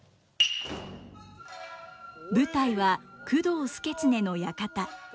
舞台は工藤祐経の館。